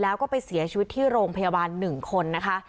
แล้วก็ไปเสียชีวิตที่โรงพยาบาล๑คนนะคะ